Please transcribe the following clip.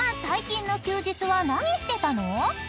最近の休日は何してたの？］